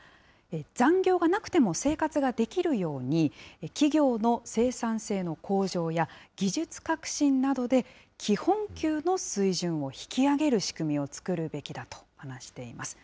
残業がなくても生活ができるように、企業の生産性の向上や、技術革新などで基本給の水準を引き上げる仕組みを作るべきだと話しています。